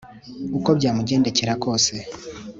uko byamugendekera kose